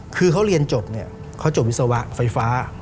คือเขาเรียนจบเขาจบวิศวกรณ์ไฟฟ้า